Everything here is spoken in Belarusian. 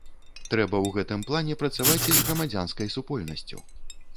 Трэба ў гэтым плане працаваць і з грамадзянскай супольнасцю.